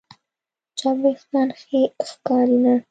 چپ وېښتيان ښې ښکاري نه.